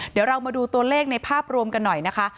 เดี๋ยวเรามาดูตัวเลขในภาพรวมกันหน่อยนะคะ